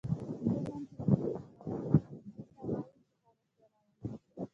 ذهن کې انځور کول دې ته وايي چې هغه څه راولئ.